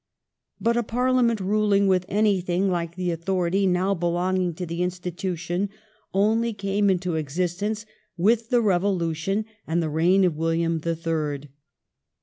But a ParUament ruling with anything like the authority now belonging to the institution only came into existence with the Eevolution and the reign of William the Third.